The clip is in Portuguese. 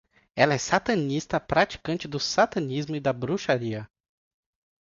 Ela é satanista, praticante do satanismo e da bruxaria